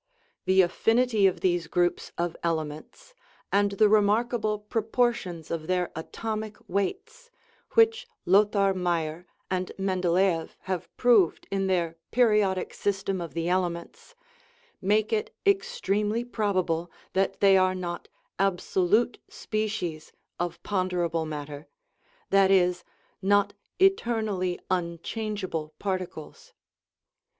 The af finity of these groups of elements, and the remark able proportions of their atomic weights, which Lothar Meyer and Mendelejeff have proved in their Periodic System of the Elements, make it extremely probable that they are not absolute species of ponder able matter that is, not eternally unchangeable par ticles.